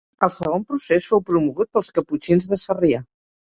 El segon procés fou promogut pels caputxins de Sarrià.